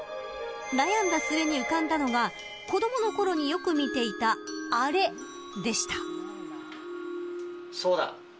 悩んだ末に浮かんだのが子どものころによく見ていたあれでした。